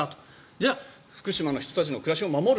じゃあ福島の人たちの暮らしを守る